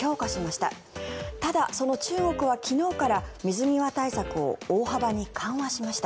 ただ、その中国は昨日から水際対策を大幅に緩和しました。